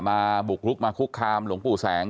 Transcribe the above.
บุกลุกมาคุกคามหลวงปู่แสง